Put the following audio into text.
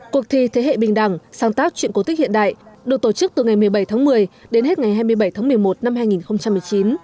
cuộc thi thế hệ bình đẳng sáng tác chuyện cố tích hiện đại được tổ chức từ ngày một mươi bảy tháng một mươi đến hết ngày hai mươi bảy tháng một mươi một năm hai nghìn một mươi chín